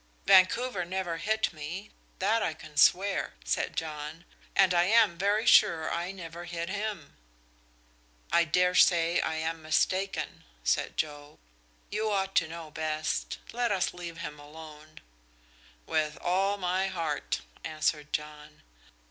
"Vancouver never hit me, that I can swear," said John, "and I am very sure I never hit him." "I dare say I am mistaken," said Joe. "You ought to know best. Let us leave him alone." "With all my heart," answered John.